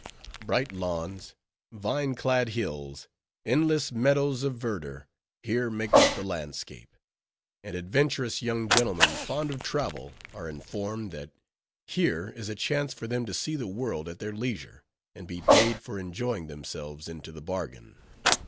Bright lawns, vine clad hills, endless meadows of verdure, here make up the landscape; and adventurous young gentlemen, fond of travel, are informed, that here is a chance for them to see the world at their leisure, and be paid for enjoying themselves into the bargain.